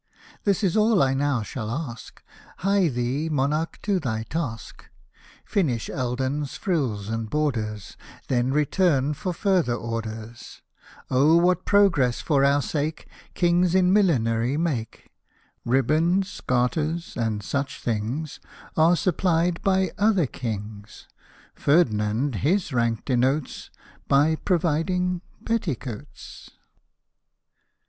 This is all I now shall ask, Hie thee, monarch, to thy task ; Finish Eld — n's frills and borders, Then return for further orders. Oh what progress for our sake. Kings in millinery make ! Hosted by Google SPEECH ON THE UMBRELLA QUESTION 209 Ribands, garters, and such things, Are supphed by other Kings, — Ferdinand his rank denotes By providing petticoats.